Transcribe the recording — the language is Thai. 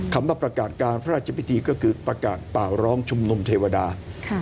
คำว่าประกาศการพระราชพิธีก็คือประกาศเปล่าร้องชุมนุมเทวดา